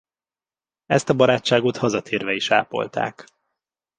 Ezt a barátságot hazatérve is ápolták.